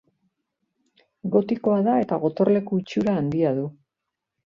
Gotikoa da eta gotorleku itxura handia du.